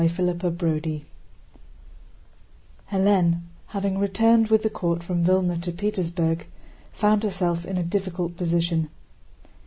CHAPTER VI Hélène, having returned with the court from Vílna to Petersburg, found herself in a difficult position.